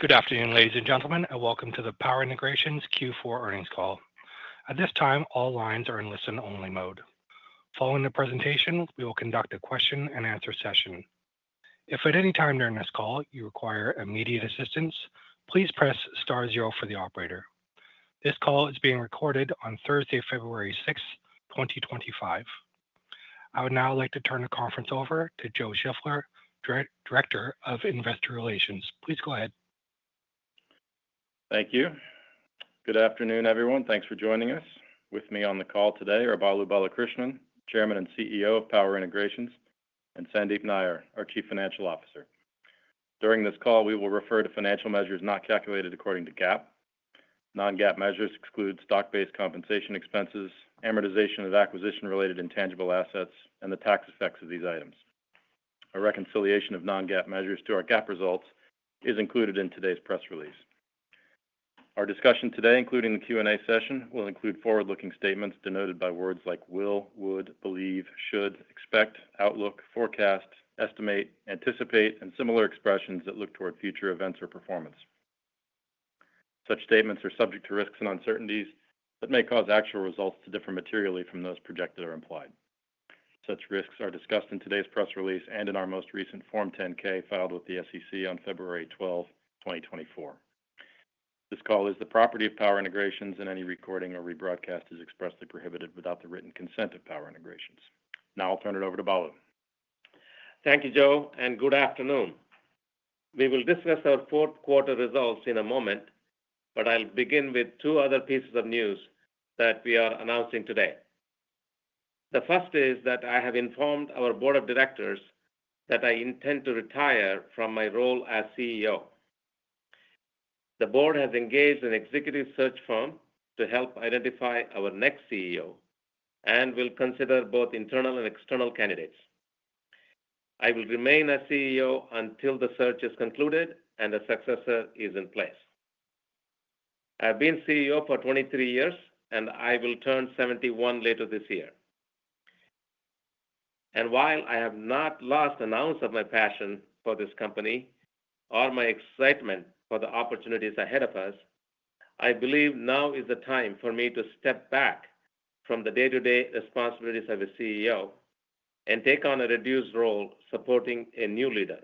Good afternoon, ladies and gentlemen, and welcome to the Power Integrations Q4 earnings call. At this time, all lines are in listen-only mode. Following the presentation, we will conduct a question-and-answer session. If at any time during this call you require immediate assistance, please press star zero for the operator. This call is being recorded on Thursday, February 6th, 2025. I would now like to turn the conference over to Joe Shiffler, Director of Investor Relations. Please go ahead. Thank you. Good afternoon, everyone. Thanks for joining us. With me on the call today are Balu Balakrishnan, Chairman and CEO of Power Integrations, and Sandeep Nayyar, our Chief Financial Officer. During this call, we will refer to financial measures not calculated according to GAAP. Non-GAAP measures exclude stock-based compensation expenses, amortization of acquisition-related intangible assets, and the tax effects of these items. A reconciliation of non-GAAP measures to our GAAP results is included in today's press release. Our discussion today, including the Q&A session, will include forward-looking statements denoted by words like will, would, believe, should, expect, outlook, forecast, estimate, anticipate, and similar expressions that look toward future events or performance. Such statements are subject to risks and uncertainties that may cause actual results to differ materially from those projected or implied. Such risks are discussed in today's press release and in our most recent Form 10-K filed with the SEC on February 12, 2024. This call is the property of Power Integrations, and any recording or rebroadcast is expressly prohibited without the written consent of Power Integrations. Now I'll turn it over to Balu. Thank you, Joe, and good afternoon. We will discuss our fourth quarter results in a moment, but I'll begin with two other pieces of news that we are announcing today. The first is that I have informed our board of directors that I intend to retire from my role as CEO. The board has engaged an executive search firm to help identify our next CEO and will consider both internal and external candidates. I will remain a CEO until the search is concluded and a successor is in place. I've been CEO for 23 years, and I will turn 71 later this year. While I have not lost an ounce of my passion for this company or my excitement for the opportunities ahead of us, I believe now is the time for me to step back from the day-to-day responsibilities of a CEO and take on a reduced role supporting a new leader.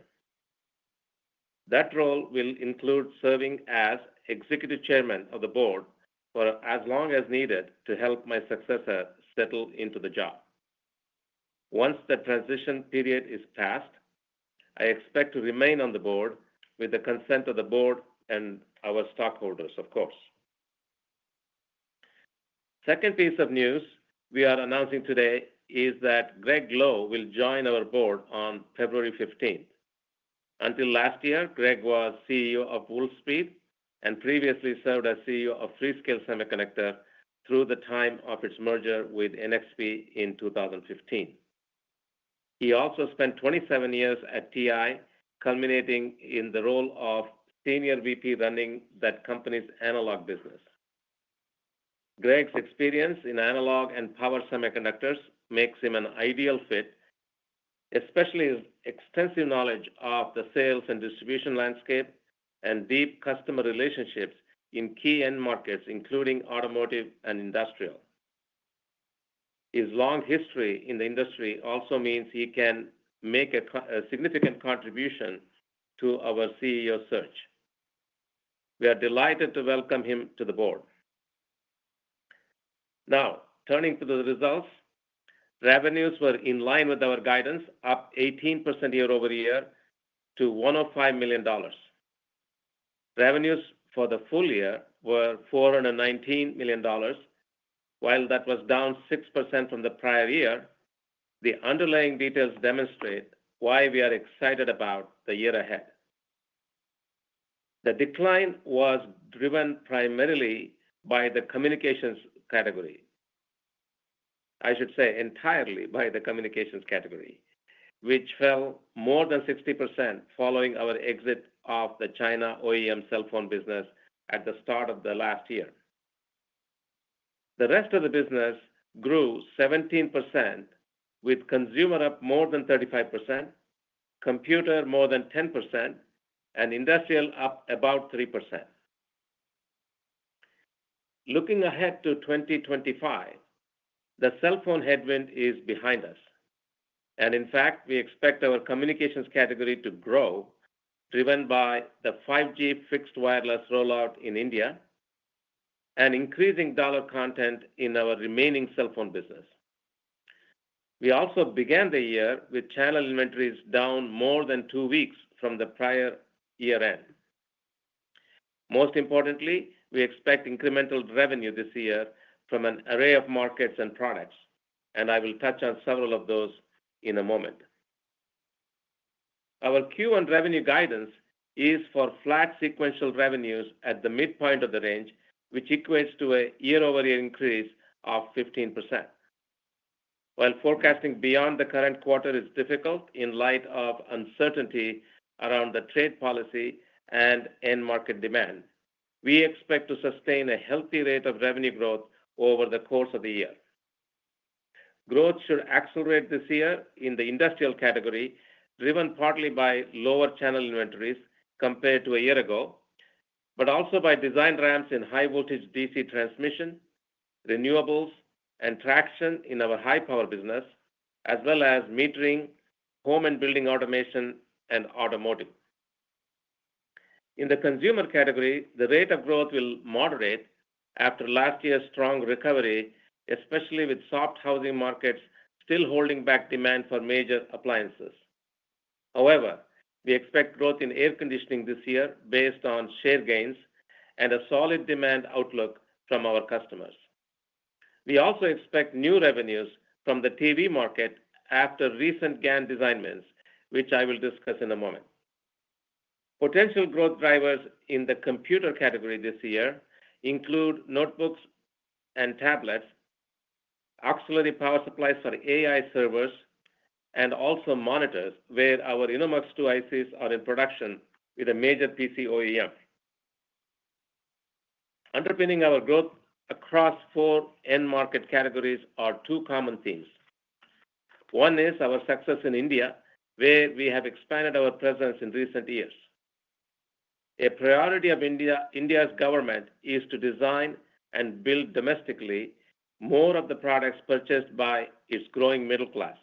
That role will include serving as Executive Chairman of the board for as long as needed to help my successor settle into the job. Once the transition period is passed, I expect to remain on the board with the consent of the board and our stockholders, of course. The second piece of news we are announcing today is that Greg Lowe will join our board on February 15th. Until last year, Greg was CEO of Wolfspeed and previously served as CEO of Freescale Semiconductor through the time of its merger with NXP in 2015. He also spent 27 years at TI, culminating in the role of Senior VP running that company's analog business. Greg's experience in analog and power semiconductors makes him an ideal fit, especially his extensive knowledge of the sales and distribution landscape and deep customer relationships in key end markets, including automotive and industrial. His long history in the industry also means he can make a significant contribution to our CEO search. We are delighted to welcome him to the board. Now, turning to the results, revenues were in line with our guidance, up 18% year over year to $105 million. Revenues for the full year were $419 million, while that was down 6% from the prior year. The underlying details demonstrate why we are excited about the year ahead. The decline was driven primarily by the communications category, I should say, entirely by the communications category, which fell more than 60% following our exit of the China OEM cell phone business at the start of the last year. The rest of the business grew 17%, with consumer up more than 35%, computer more than 10%, and industrial up about 3%. Looking ahead to 2025, the cell phone headwind is behind us, and in fact, we expect our communications category to grow, driven by the 5G fixed wireless rollout in India and increasing dollar content in our remaining cell phone business. We also began the year with channel inventories down more than two weeks from the prior year-end. Most importantly, we expect incremental revenue this year from an array of markets and products, and I will touch on several of those in a moment. Our Q1 revenue guidance is for flat sequential revenues at the midpoint of the range, which equates to a year-over-year increase of 15%. While forecasting beyond the current quarter is difficult in light of uncertainty around the trade policy and end market demand, we expect to sustain a healthy rate of revenue growth over the course of the year. Growth should accelerate this year in the industrial category, driven partly by lower channel inventories compared to a year ago, but also by design ramps in high-voltage DC transmission, renewables, and traction in our high-power business, as well as metering, home and building automation, and automotive. In the consumer category, the rate of growth will moderate after last year's strong recovery, especially with soft housing markets still holding back demand for major appliances. However, we expect growth in air conditioning this year based on share gains and a solid demand outlook from our customers. We also expect new revenues from the TV market after recent GaN design wins, which I will discuss in a moment. Potential growth drivers in the computer category this year include notebooks and tablets, auxiliary power supplies for AI servers, and also monitors where our InnoMux 2 ICs are in production with a major PC OEM. Underpinning our growth across four end market categories are two common themes. One is our success in India, where we have expanded our presence in recent years. A priority of India's government is to design and build domestically more of the products purchased by its growing middle class.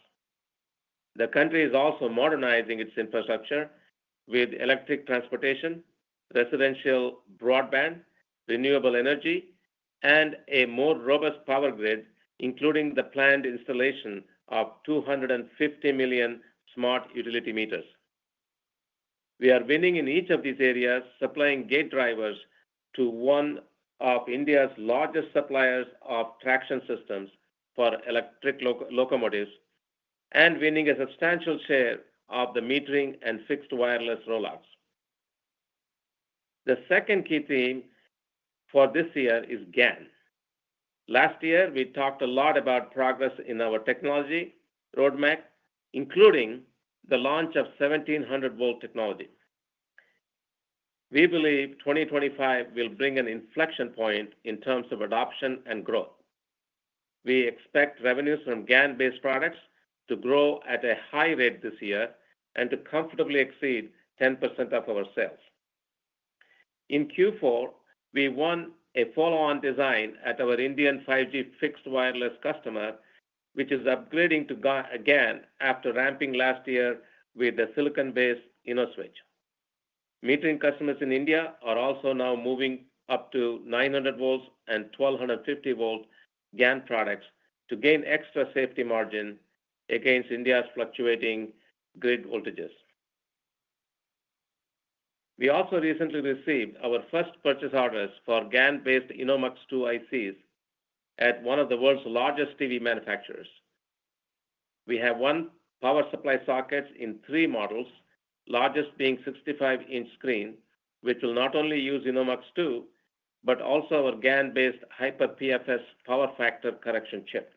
The country is also modernizing its infrastructure with electric transportation, residential broadband, renewable energy, and a more robust power grid, including the planned installation of 250 million smart utility meters. We are winning in each of these areas, supplying gate drivers to one of India's largest suppliers of traction systems for electric locomotives and winning a substantial share of the metering and fixed wireless rollouts. The second key theme for this year is GaN. Last year, we talked a lot about progress in our technology roadmap, including the launch of 1700-volt technology. We believe 2025 will bring an inflection point in terms of adoption and growth. We expect revenues from GaN-based products to grow at a high rate this year and to comfortably exceed 10% of our sales. In Q4, we won a follow-on design at our Indian 5G fixed wireless customer, which is upgrading to GaN after ramping last year with a silicon-based InnoSwitch. Metering customers in India are also now moving up to 900 volts and 1250 volts GaN products to gain extra safety margin against India's fluctuating grid voltages. We also recently received our first purchase orders for GaN-based InnoMux 2 ICs at one of the world's largest TV manufacturers. We have won power supply sockets in three models, largest being a 65-inch screen, which will not only use InnoMux 2, but also our GaN-based HiperPFS power factor correction chip.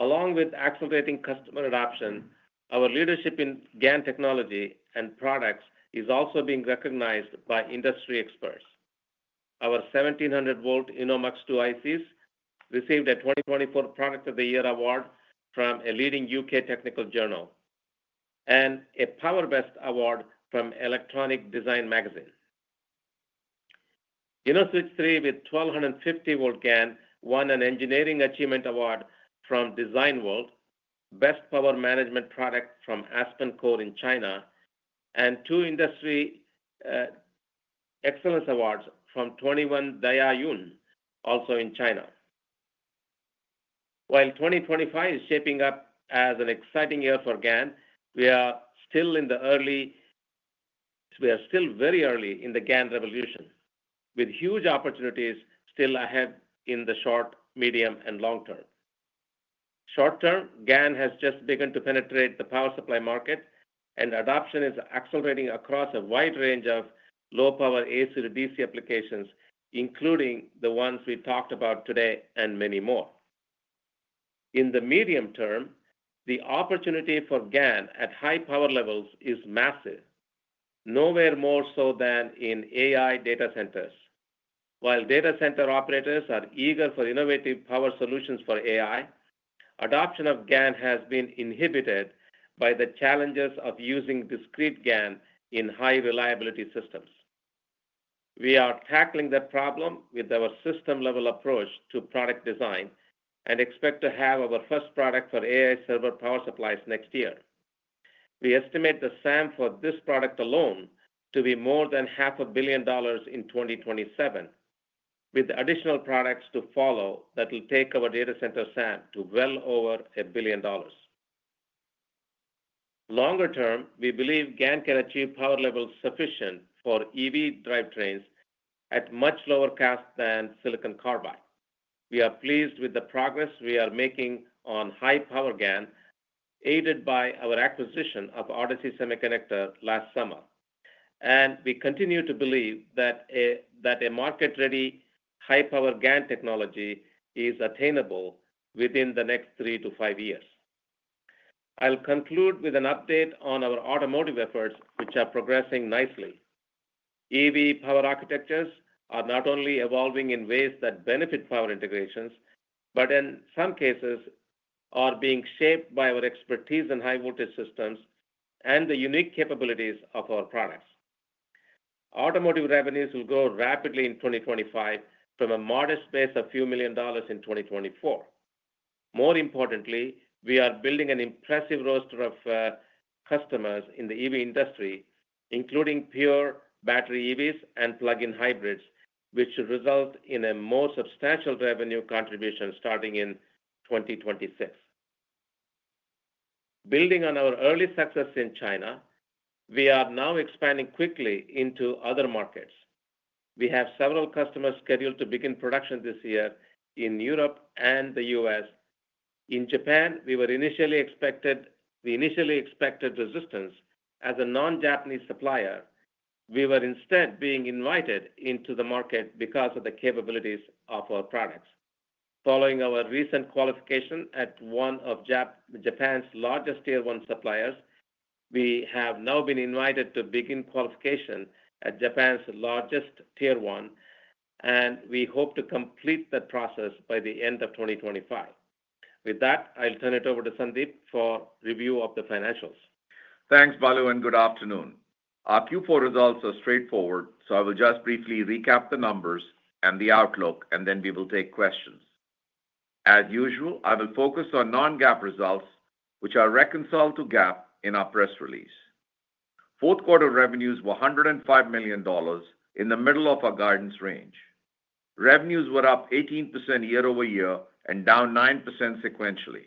Along with accelerating customer adoption, our leadership in GaN technology and products is also being recognized by industry experts. Our 1700-volt InnoMux 2 ICs received a 2024 Product of the Year award from a leading U.K. technical journal and a PowerBest award from Electronic Design. InnoSwitch 3 with 1250-volt GaN won an engineering achievement award from Design World, Best Power Management product from AspenCore in China, and two industry excellence awards from 21Dianyuan, also in China. While 2025 is shaping up as an exciting year for GaN, we are still very early in the GaN revolution, with huge opportunities still ahead in the short, medium, and long term. Short term, GaN has just begun to penetrate the power supply market, and adoption is accelerating across a wide range of low-power AC to DC applications, including the ones we talked about today and many more. In the medium term, the opportunity for GaN at high power levels is massive, nowhere more so than in AI data centers. While data center operators are eager for innovative power solutions for AI, adoption of GaN has been inhibited by the challenges of using discrete GaN in high-reliability systems. We are tackling that problem with our system-level approach to product design and expect to have our first product for AI server power supplies next year. We estimate the SAM for this product alone to be more than $500 million in 2027, with additional products to follow that will take our data center SAM to well over $1 billion. Longer term, we believe GaN can achieve power levels sufficient for EV drivetrains at much lower cost than silicon carbide. We are pleased with the progress we are making on high-power GaN, aided by our acquisition of Odyssey Semiconductor last summer. And we continue to believe that a market-ready high-power GaN technology is attainable within the next three to five years. I'll conclude with an update on our automotive efforts, which are progressing nicely. EV power architectures are not only evolving in ways that benefit Power Integrations, but in some cases are being shaped by our expertise in high-voltage systems and the unique capabilities of our products. Automotive revenues will grow rapidly in 2025 from a modest base of a few million dollars in 2024. More importantly, we are building an impressive roster of customers in the EV industry, including pure battery EVs and plug-in hybrids, which should result in a more substantial revenue contribution starting in 2026. Building on our early success in China, we are now expanding quickly into other markets. We have several customers scheduled to begin production this year in Europe and the U.S. In Japan, we initially expected resistance. As a non-Japanese supplier, we were instead being invited into the market because of the capabilities of our products. Following our recent qualification at one of Japan's largest Tier 1 suppliers, we have now been invited to begin qualification at Japan's largest Tier 1, and we hope to complete that process by the end of 2025. With that, I'll turn it over to Sandeep for review of the financials. Thanks, Balu, and good afternoon. Our Q4 results are straightforward, so I will just briefly recap the numbers and the outlook, and then we will take questions. As usual, I will focus on non-GAAP results, which I'll reconcile to GAAP in our press release. Fourth quarter revenues were $105 million in the middle of our guidance range. Revenues were up 18% year over year and down 9% sequentially.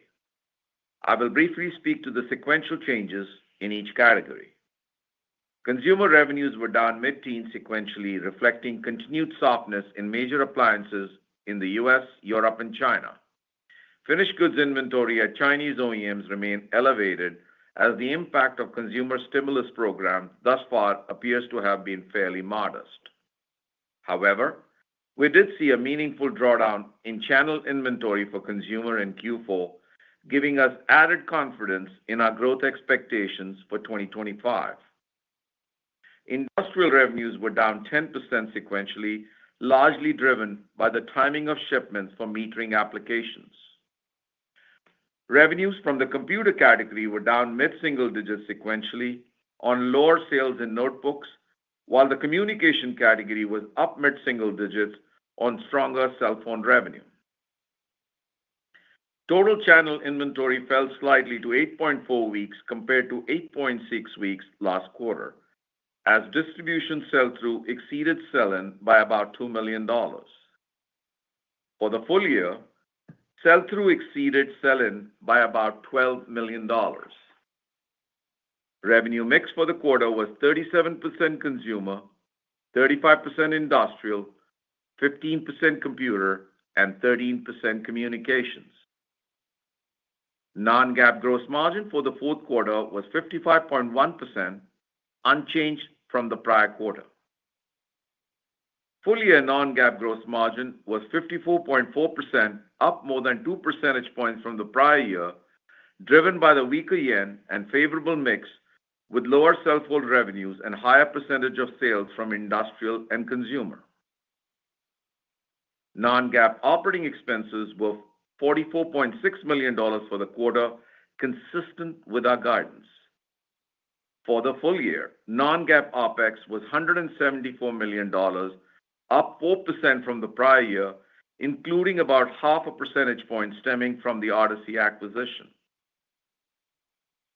I will briefly speak to the sequential changes in each category. Consumer revenues were down 18% sequentially, reflecting continued softness in major appliances in the U.S., Europe, and China. Finished goods inventory at Chinese OEMs remained elevated, as the impact of consumer stimulus programs thus far appears to have been fairly modest. However, we did see a meaningful drawdown in channel inventory for consumer in Q4, giving us added confidence in our growth expectations for 2025. Industrial revenues were down 10% sequentially, largely driven by the timing of shipments for metering applications. Revenues from the computer category were down mid-single digits sequentially on lower sales in notebooks, while the communication category was up mid-single digits on stronger cell phone revenue. Total channel inventory fell slightly to 8.4 weeks compared to 8.6 weeks last quarter, as distribution sell-through exceeded sell-in by about $2 million. For the full year, sell-through exceeded sell-in by about $12 million. Revenue mix for the quarter was 37% consumer, 35% industrial, 15% computer, and 13% communications. Non-GAAP gross margin for the fourth quarter was 55.1%, unchanged from the prior quarter. Full year non-GAAP gross margin was 54.4%, up more than two percentage points from the prior year, driven by the weaker yen and favorable mix, with lower sell-through revenues and higher percentage of sales from industrial and consumer. Non-GAAP operating expenses were $44.6 million for the quarter, consistent with our guidance. For the full year, non-GAAP OpEx was $174 million, up 4% from the prior year, including about half a percentage point stemming from the Odyssey acquisition.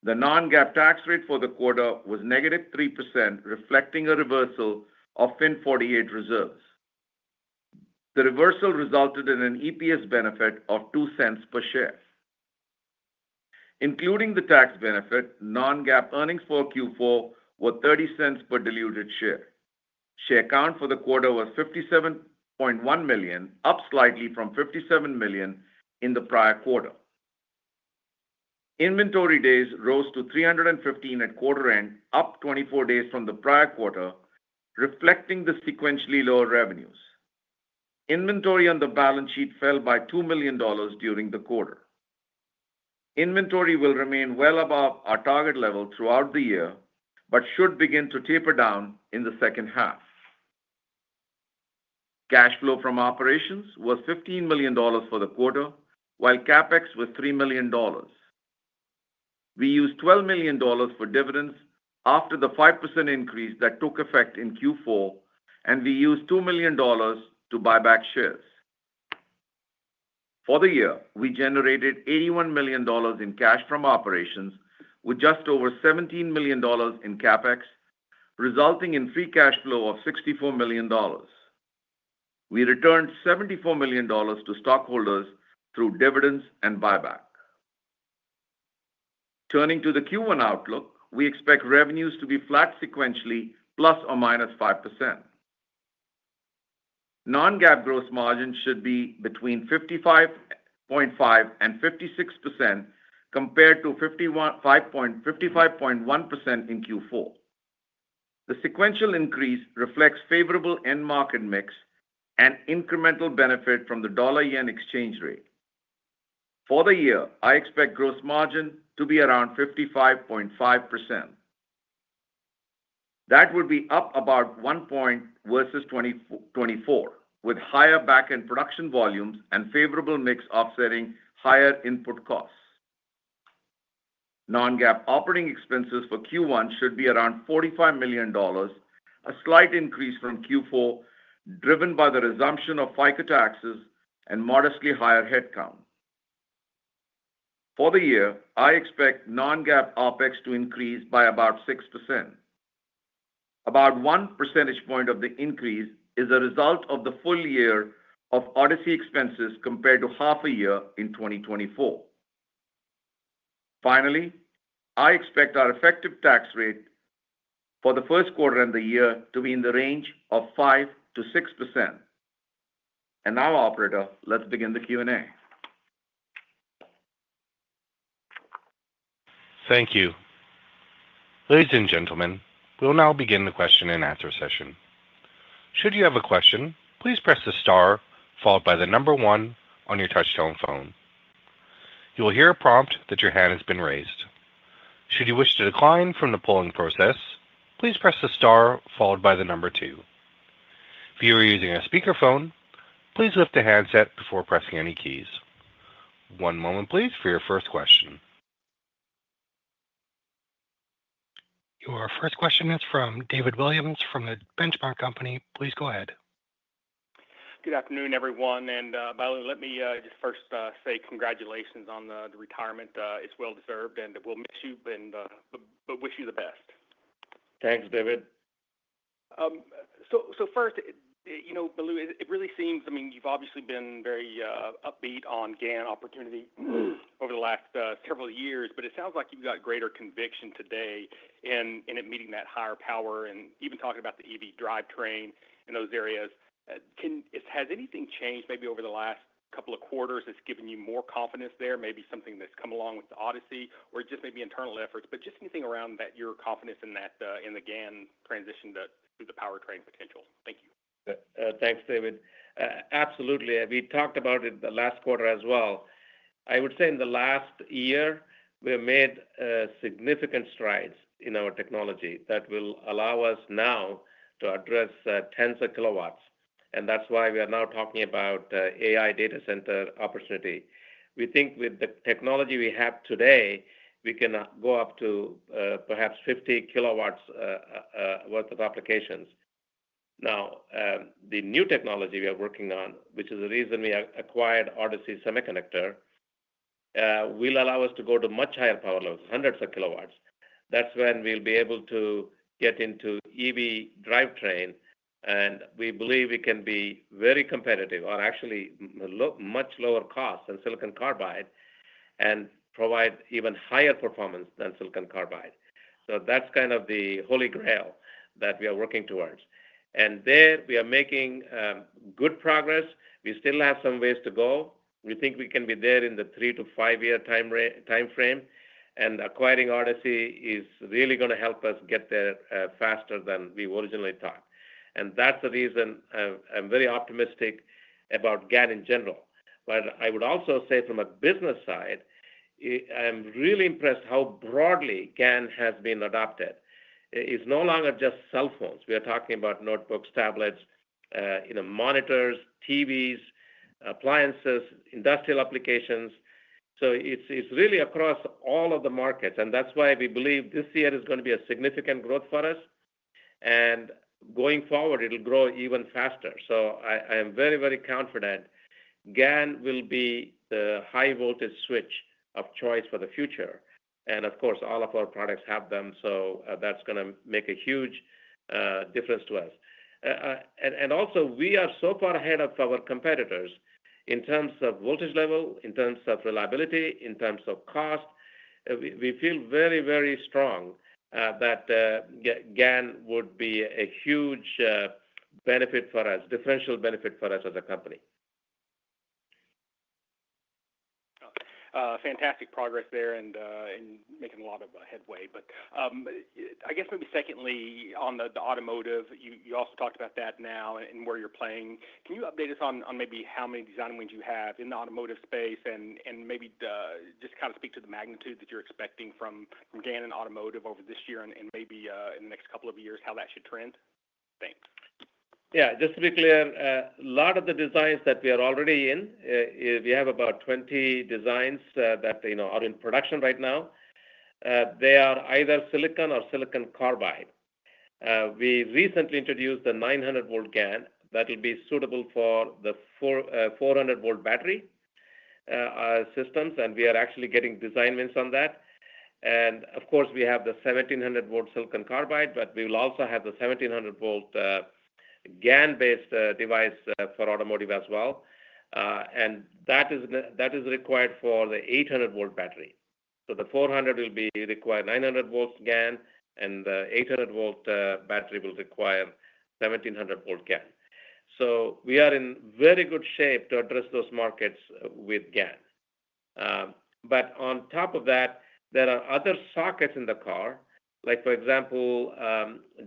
The non-GAAP tax rate for the quarter was negative 3%, reflecting a reversal of FIN 48 reserves. The reversal resulted in an EPS benefit of $0.02 per share. Including the tax benefit, non-GAAP earnings for Q4 were $0.30 per diluted share. Share count for the quarter was 57.1 million, up slightly from 57 million in the prior quarter. Inventory days rose to 315 at quarter end, up 24 days from the prior quarter, reflecting the sequentially lower revenues. Inventory on the balance sheet fell by $2 million during the quarter. Inventory will remain well above our target level throughout the year but should begin to taper down in the second half. Cash flow from operations was $15 million for the quarter, while CapEx was $3 million. We used $12 million for dividends after the 5% increase that took effect in Q4, and we used $2 million to buy back shares. For the year, we generated $81 million in cash from operations, with just over $17 million in CapEx, resulting in free cash flow of $64 million. We returned $74 million to stockholders through dividends and buyback. Turning to the Q1 outlook, we expect revenues to be flat sequentially, plus or minus 5%. Non-GAAP gross margin should be between 55.5% and 56% compared to 55.1% in Q4. The sequential increase reflects favorable end market mix and incremental benefit from the dollar-yen exchange rate. For the year, I expect gross margin to be around 55.5%. That would be up about one point versus 2024, with higher back-end production volumes and favorable mix offsetting higher input costs. Non-GAAP operating expenses for Q1 should be around $45 million, a slight increase from Q4, driven by the resumption of FICA taxes and modestly higher headcount. For the year, I expect non-GAAP OPEX to increase by about 6%. About one percentage point of the increase is a result of the full year of Odyssey expenses compared to half a year in 2024. Finally, I expect our effective tax rate for the first quarter of the year to be in the range of 5%-6%. And now, Operator, let's begin the Q&A. Thank you. Ladies and gentlemen, we'll now begin the question and answer session. Should you have a question, please press the star followed by the number one on your touch-tone phone. You will hear a prompt that your hand has been raised. Should you wish to decline from the polling process, please press the star followed by the number two. If you are using a speakerphone, please lift the handset before pressing any keys. One moment, please, for your first question. Your first question is from David Williams from the Benchmark Company. Please go ahead. Good afternoon, everyone, and Balu, let me just first say congratulations on the retirement. It's well-deserved, and we'll miss you and wish you the best. Thanks, David. So first, Balu, it really seems, I mean, you've obviously been very upbeat on GaN opportunity over the last several years, but it sounds like you've got greater conviction today in it meeting that higher power and even talking about the EV drivetrain and those areas. Has anything changed maybe over the last couple of quarters that's given you more confidence there? Maybe something that's come along with Odyssey or just maybe internal efforts, but just anything around that, your confidence in the GaN transition to the powertrain potential? Thank you. Thanks, David. Absolutely. We talked about it the last quarter as well. I would say in the last year, we have made significant strides in our technology that will allow us now to address tens of kilowatts. And that's why we are now talking about AI data center opportunity. We think with the technology we have today, we can go up to perhaps 50 kilowatts worth of applications. Now, the new technology we are working on, which is the reason we acquired Odyssey Semiconductor, will allow us to go to much higher power levels, hundreds of kilowatts. That's when we'll be able to get into EV drivetrain, and we believe we can be very competitive or actually much lower cost than silicon carbide and provide even higher performance than silicon carbide. So that's kind of the holy grail that we are working towards. And there, we are making good progress. We still have some ways to go. We think we can be there in the three to five-year time frame. And acquiring Odyssey is really going to help us get there faster than we originally thought. And that's the reason I'm very optimistic about GaN in general. But I would also say from a business side, I'm really impressed how broadly GaN has been adopted. It's no longer just cell phones. We are talking about notebooks, tablets, monitors, TVs, appliances, industrial applications. So it's really across all of the markets. That's why we believe this year is going to be a significant growth for us. Going forward, it'll grow even faster. I am very, very confident GaN will be the high-voltage switch of choice for the future. Of course, all of our products have them, so that's going to make a huge difference to us. Also, we are so far ahead of our competitors in terms of voltage level, in terms of reliability, in terms of cost. We feel very, very strong that GaN would be a huge benefit for us, differential benefit for us as a company. Fantastic progress there and making a lot of headway. I guess maybe secondly, on the automotive, you also talked about that now and where you're playing. Can you update us on maybe how many design wins you have in the automotive space and maybe just kind of speak to the magnitude that you're expecting from GaN and automotive over this year and maybe in the next couple of years how that should trend? Thanks. Yeah. Just to be clear, a lot of the designs that we are already in, we have about 20 designs that are in production right now. They are either silicon or silicon carbide. We recently introduced the 900-volt GaN that will be suitable for the 400-volt battery systems, and we are actually getting design wins on that. And of course, we have the 1700-volt silicon carbide, but we will also have the 1700-volt GaN-based device for automotive as well. And that is required for the 800-volt battery. The 400 will be required 900-volt GaN, and the 800-volt battery will require 1700-volt GaN. We are in very good shape to address those markets with GaN. But on top of that, there are other sockets in the car, like for example,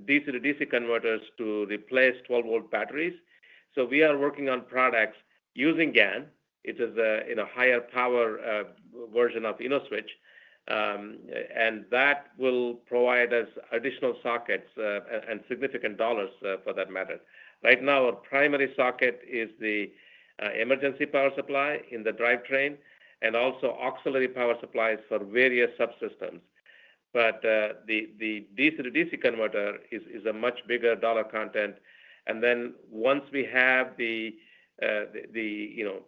DC to DC converters to replace 12-volt batteries. We are working on products using GaN. It is a higher power version of InnoSwitch, and that will provide us additional sockets and significant dollars for that matter. Right now, our primary socket is the emergency power supply in the drivetrain and also auxiliary power supplies for various subsystems. But the DC to DC converter is a much bigger dollar content. And then once we have the 10-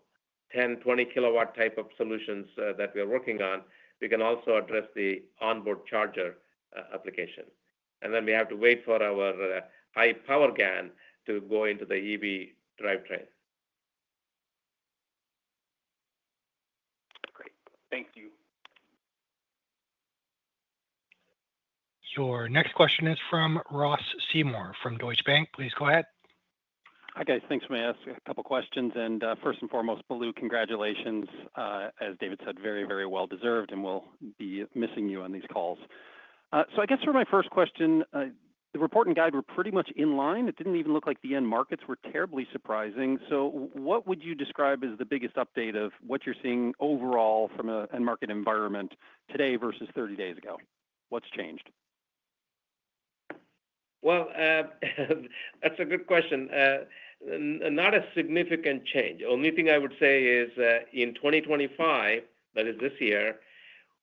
and 20-kilowatt type of solutions that we are working on, we can also address the onboard charger application. And then we have to wait for our high-power GaN to go into the EV drivetrain. Great. Thank you. Your next question is from Ross Seymour from Deutsche Bank. Please go ahead. Hi, guys. Thanks. May I ask a couple of questions? And first and foremost, Balu, congratulations. As David said, very, very well deserved, and we'll be missing you on these calls. So I guess for my first question, the report and guide were pretty much in line. It didn't even look like the end markets were terribly surprising. So what would you describe as the biggest update of what you're seeing overall from an end market environment today versus 30 days ago? What's changed? Well, that's a good question. Not a significant change. only thing I would say is in 2025, that is this year,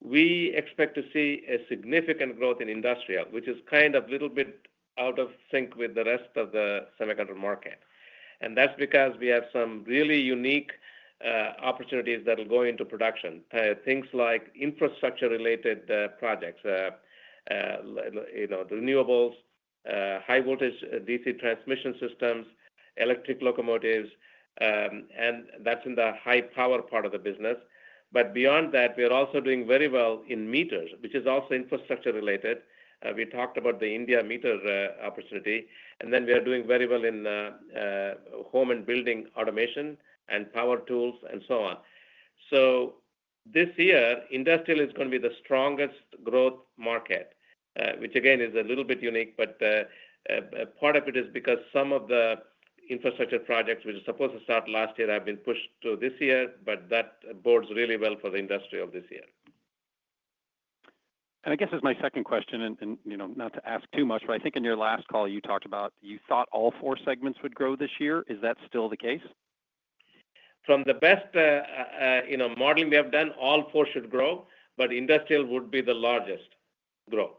we expect to see a significant growth in industrial, which is kind of a little bit out of sync with the rest of the semiconductor market. And that's because we have some really unique opportunities that will go into production, things like infrastructure-related projects, the renewables, high-voltage DC transmission systems, electric locomotives, and that's in the high-power part of the business. But beyond that, we are also doing very well in meters, which is also infrastructure-related. We talked about the India meter opportunity, and then we are doing very well in home and building automation and power tools and so on. So this year, industrial is going to be the strongest growth market, which again is a little bit unique, but part of it is because some of the infrastructure projects, which were supposed to start last year, have been pushed to this year, but that bodes really well for the industry of this year. And I guess as my second question, and not to ask too much, but I think in your last call, you talked about you thought all four segments would grow this year. Is that still the case? From the best modeling we have done, all four should grow, but industrial would be the largest growth.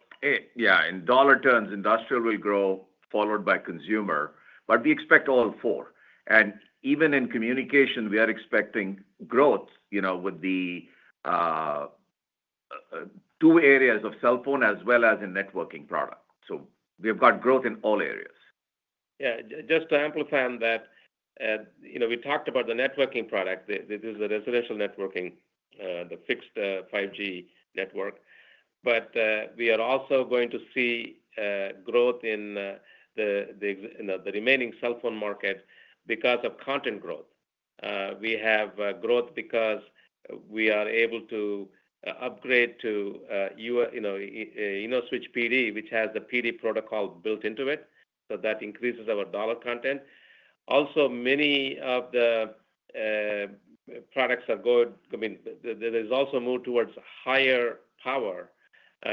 Yeah. In dollar terms, industrial will grow followed by consumer, but we expect all four. And even in communication, we are expecting growth with the two areas of cell phone as well as in networking product. So we have got growth in all areas. Yeah. Just to amplify on that, we talked about the networking product. This is the residential networking, the fixed 5G network. But we are also going to see growth in the remaining cell phone market because of content growth. We have growth because we are able to upgrade to InnoSwitch PD, which has the PD protocol built into it. So that increases our dollar content. Also, many of the products are good. I mean, there is also a move towards higher power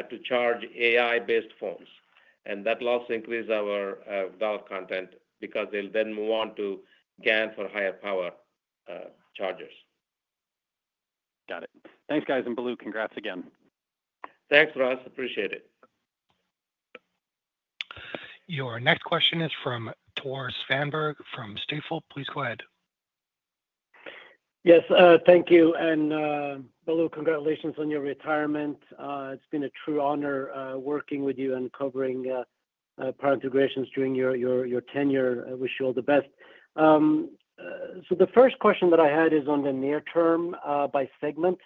to charge AI-based phones. And that will also increase our dollar content because they'll then move on to GaN for higher power chargers. Got it. Thanks, guys. And Balu, congrats again. Thanks, Ross. Appreciate it. Your next question is from Tor Svanberg from Stifel. Please go ahead. Yes. Thank you. And Balu, congratulations on your retirement. It's been a true honor working with you and covering Power Integrations during your tenure. I wish you all the best. So the first question that I had is on the near-term by segment.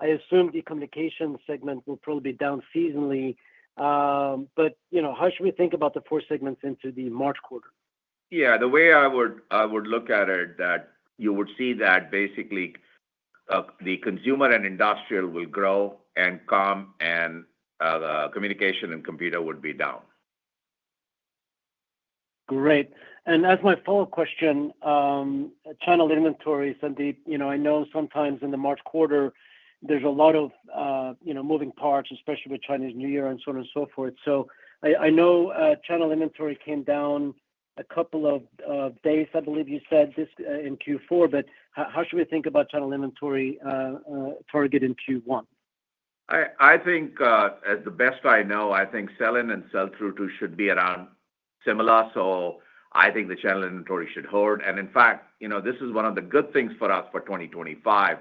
I assume the communication segment will probably be down seasonally. But how should we think about the four segments into the March quarter? Yeah. The way I would look at it, you would see that basically the consumer and industrial will grow and comm, and communication and computer would be down. Great. And as my follow-up question, channel inventory, I know sometimes in the March quarter, there's a lot of moving parts, especially with Chinese New Year and so on and so forth. So I know channel inventory came down a couple of days, I believe you said, in Q4. But how should we think about channel inventory target in Q1? I think, as best I know, I think sell-in and sell-through should be around similar. So I think the channel inventory should hold. And in fact, this is one of the good things for us for 2025.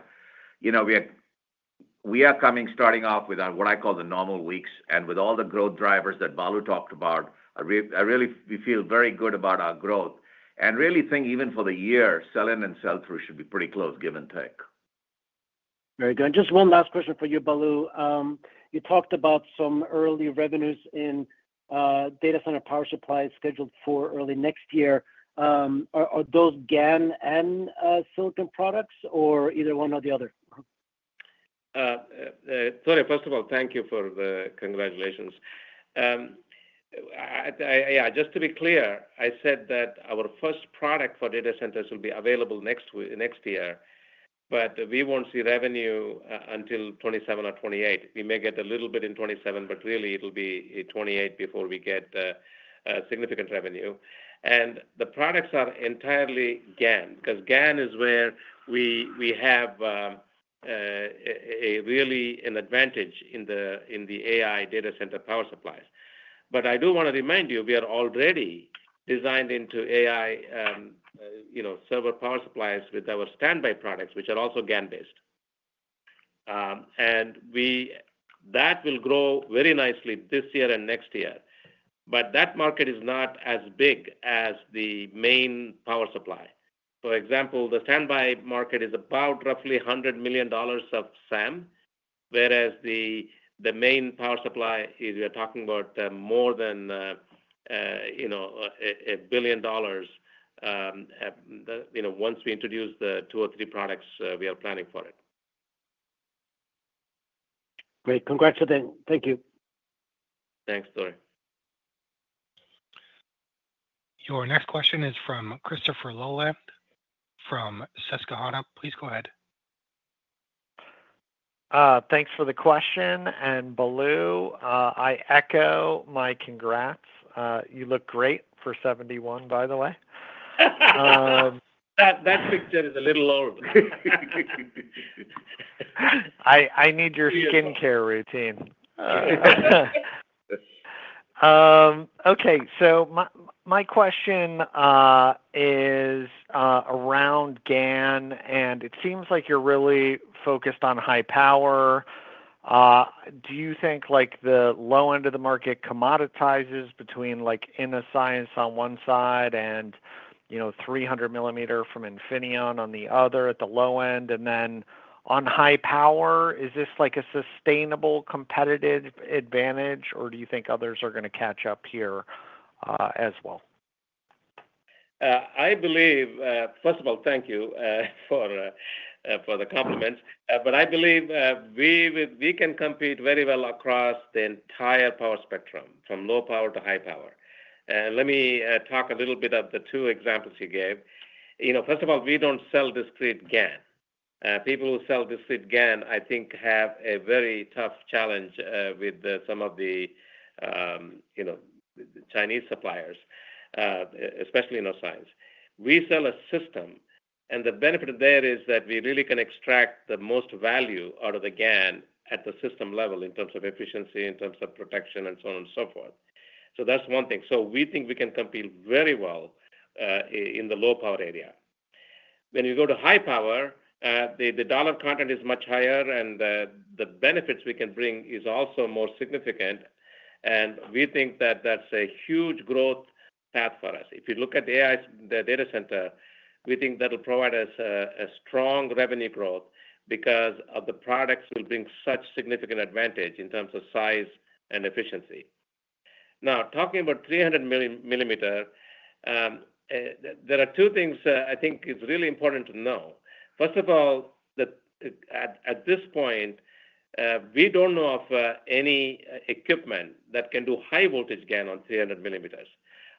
We are coming starting off with what I call the normal weeks. And with all the growth drivers that Balu talked about, I really feel very good about our growth. And really think even for the year, sell-in and sell-through should be pretty close, give and take. Very good. Just one last question for you, Balu. You talked about some early revenues in data center power supplies scheduled for early next year. Are those GaN and silicon products or either one or the other? Sorry, first of all, thank you for the congratulations. Yeah. Just to be clear, I said that our first product for data centers will be available next year, but we won't see revenue until 2027 or 2028. We may get a little bit in 2027, but really, it'll be 2028 before we get significant revenue. And the products are entirely GaN because GaN is where we have really an advantage in the AI data center power supplies. But I do want to remind you, we are already designed into AI server power supplies with our standby products, which are also GaN-based. And that will grow very nicely this year and next year. But that market is not as big as the main power supply. For example, the standby market is about roughly $100 million of SAM, whereas the main power supply is we are talking about more than $1 billion once we introduce the two or three products we are planning for it. Great. Congrats again. Thank you. Thanks, Tor. Your next question is from Christopher Rolland from Susquehanna Financial Group. Please go ahead. Thanks for the question. Balu, I echo my congrats. You look great for 1971, by the way. That picture is a little old. I need your skincare routine. Okay. So my question is around GaN, and it seems like you're really focused on high power. Do you think the low end of the market commoditizes between Innoscience on one side and 300-millimeter from Infineon on the other at the low end? On high power, is this a sustainable competitive advantage, or do you think others are going to catch up here as well? I believe, first of all, thank you for the compliments. But I believe we can compete very well across the entire power spectrum from low power to high power. Let me talk a little bit of the two examples you gave. First of all, we don't sell discrete GaN. People who sell discrete GaN, I think, have a very tough challenge with some of the Chinese suppliers, especially Innoscience. We sell a system, and the benefit there is that we really can extract the most value out of the GaN at the system level in terms of efficiency, in terms of protection, and so on and so forth. That's one thing. We think we can compete very well in the low power area. When you go to high power, the dollar content is much higher, and the benefits we can bring is also more significant. And we think that that's a huge growth path for us. If you look at the AI data center, we think that'll provide us a strong revenue growth because of the products will bring such significant advantage in terms of size and efficiency. Now, talking about 300 millimeter, there are two things I think it's really important to know. First of all, at this point, we don't know of any equipment that can do high voltage GaN on 300 millimeters.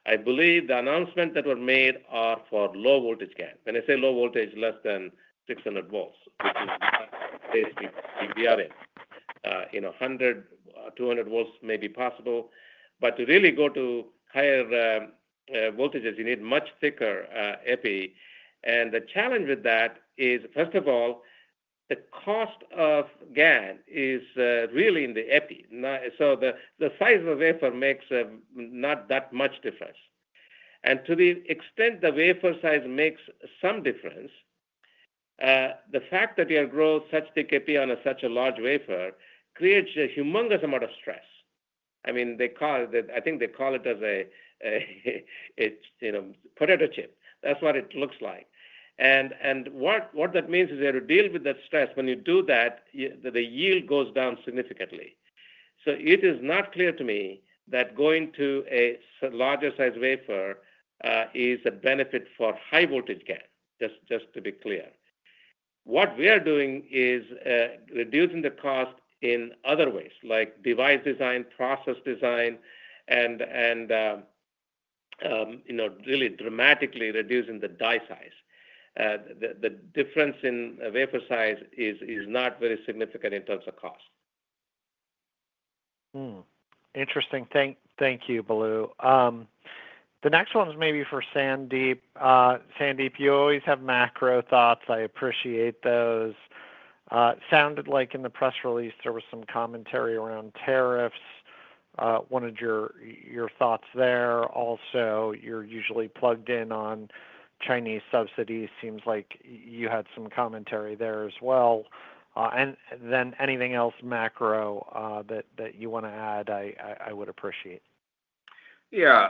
I believe the announcements that were made are for low voltage GaN. When I say low voltage, less than 600 volts, which is basically what we are in. 100, 200 volts may be possible. But to really go to higher voltages, you need much thicker EPI. The challenge with that is, first of all, the cost of GaN is really in the epi. So the size of the wafer makes not that much difference. And to the extent the wafer size makes some difference, the fact that you grow such thick epi on such a large wafer creates a humongous amount of stress. I mean, I think they call it as a potato chip. That's what it looks like. And what that means is you have to deal with that stress. When you do that, the yield goes down significantly. So it is not clear to me that going to a larger size wafer is a benefit for high-voltage GaN, just to be clear. What we are doing is reducing the cost in other ways, like device design, process design, and really dramatically reducing the die size. The difference in wafer size is not very significant in terms of cost. Interesting. Thank you, Balu. The next one is maybe for Sandeep. Sandeep, you always have macro thoughts. I appreciate those. Sounded like in the press release, there was some commentary around tariffs. I wanted your thoughts there. Also, you're usually plugged in on Chinese subsidies. Seems like you had some commentary there as well. And then anything else macro that you want to add, I wouldappreciate. Yeah.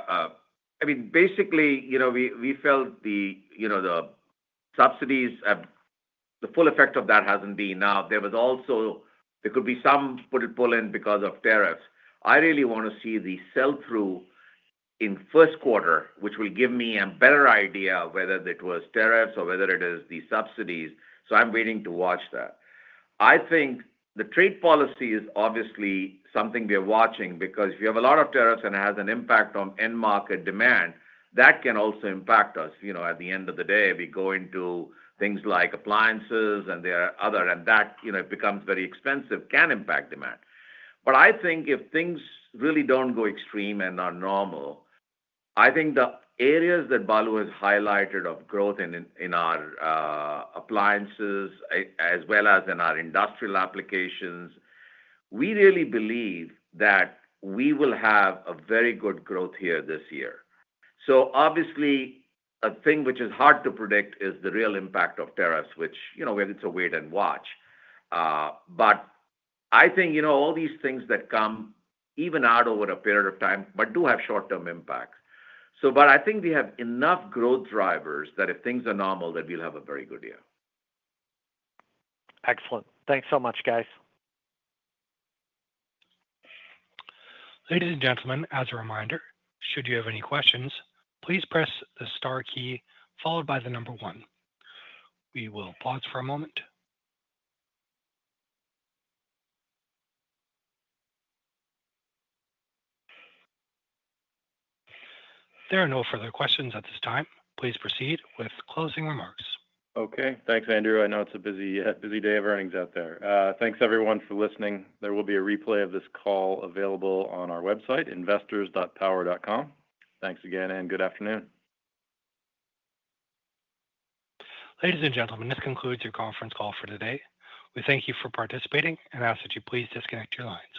I mean, basically, we felt the subsidies, the full effect of that hasn't been enough. There was also there could be some pull-in because of tariffs. I really want to see the sell-through in first quarter, which will give me a better idea whether it was tariffs or whether it is the subsidies. So I'm waiting to watch that. I think the trade policy is obviously something we are watching because if you have a lot of tariffs and it has an impact on end market demand, that can also impact us. At the end of the day, we go into things like appliances and there are other, and that becomes very expensive, can impact demand. But I think if things really don't go extreme and are normal, I think the areas that Balu has highlighted of growth in our appliances as well as in our industrial applications, we really believe that we will have a very good growth here this year. So obviously, a thing which is hard to predict is the real impact of tariffs, which it's a wait and watch. But I think all these things that come even out over a period of time but do have short-term impacts. But I think we have enough growth drivers that if things are normal, that we'll have a very good year. Excellent. Thanks so much, guys. Ladies and gentlemen, as a reminder, should you have any questions, please press the star key followed by the number one. We will pause for a moment. There are no further questions at this time. Please proceed with closing remarks. Okay. Thanks, Andrew. I know it's a busy day of earnings out there. Thanks, everyone, for listening. There will be a replay of this call available on our website, investors.power.com. Thanks again, and good afternoon. Ladies and gentlemen, this concludes your conference call for today. We thank you for participating and ask that you please disconnect your lines.